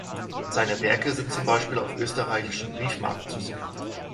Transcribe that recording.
Seine Werke sind zum Beispiel auf österreichischen Briefmarken zu sehen.